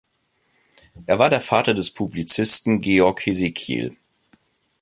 Er war der Vater des Publizisten George Hesekiel.